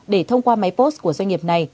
để thông qua máy post của doanh nghiệp này